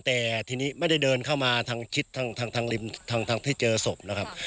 แต่ทีนี้ไม่ได้เดินเข้ามาทางชิดทางริมทางที่เจอศพนะครับ